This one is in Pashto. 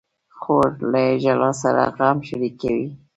خور له ژړا سره غم شریکوي.